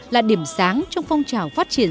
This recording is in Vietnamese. là điểm sáng trong phong trào phát triển